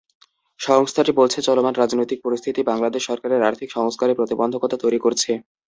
সংস্থাটি বলছে, চলমান রাজনৈতিক পরিস্থিতি বাংলাদেশ সরকারের আর্থিক সংস্কারে প্রতিবন্ধকতা তৈরি করছে।